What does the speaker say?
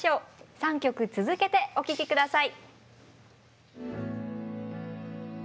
３曲続けてお聴き下さい。